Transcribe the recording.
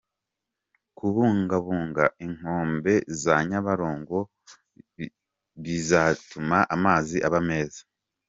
Kubungabunga inkombe za nyabarongo ngo zbizatuma amazi aba meza.